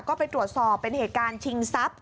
ก็ไปตรวจสอบเป็นเหตุการณ์ชิงทรัพย์